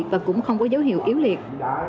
và cũng không có dấu hiệu yếu liệt